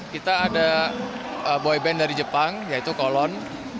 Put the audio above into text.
kita ada boy band dari jepang yaitu kolon